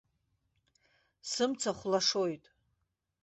Сымцахә лашоит.